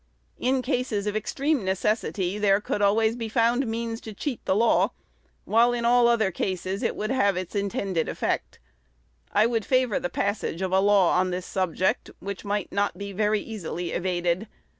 In cases of extreme necessity, there could always be means found to cheat the law; while in all other cases it would have its intended effect. I would favor the passage of a law on this subject which might not be very easily evaded.